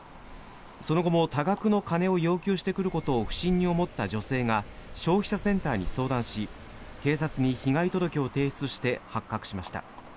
その後も多額の金を要求してくることを不審に思った女性が消費者センターに相談し警察に被害届を提出して発覚しました。